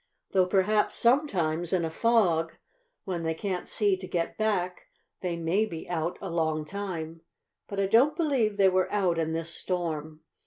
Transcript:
Though perhaps sometimes, in a fog, when they can't see to get back, they may be out a long time. But I don't believe they were out in this storm."